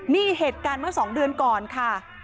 นี่เหตุการณ์เมื่อ๒เดือนก่อนค่ะ